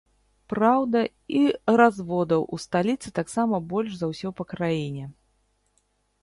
Праўда, і разводаў у сталіцы таксама больш за ўсё па краіне.